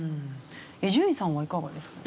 伊集院さんはいかがですか？